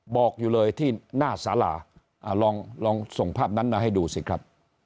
บอกอยู่เลยที่หน้าสาราลองส่งภาพนั้นมาให้ดูสิครับ